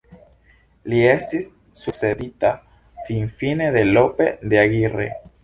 Li estis sukcedita finfine de Lope de Aguirre.